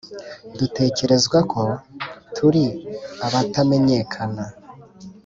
dutekerezwa ko turi abatamenyekana